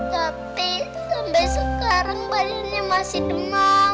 tapi sampai sekarang bayinya masih demam